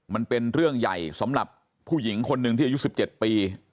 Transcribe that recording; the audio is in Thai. มันเป็นเรื่องใหญ่สำหรับผู้หญิงคนหนึ่งที่อายุ๑๗ปี